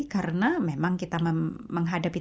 karena memang kita menghadapi